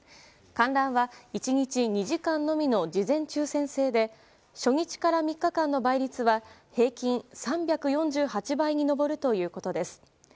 観覧は１日２時間のみの事前抽選制で初日から３日間の倍率は平均３４８倍に上るということです。